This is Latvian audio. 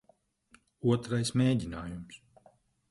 Otrais mēģinājums.